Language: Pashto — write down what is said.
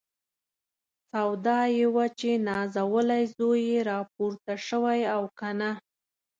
سودا یې وه چې نازولی زوی یې راپورته شوی او که نه.